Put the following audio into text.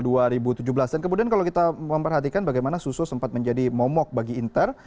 dan kemudian kalau kita memperhatikan bagaimana suso sempat menjadi momok bagi inter